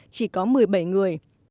chỉ có một mươi bảy người